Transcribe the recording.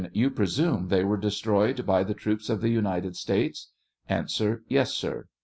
You presume they were destroyed by the troops of the United States ? A. Yes, sir.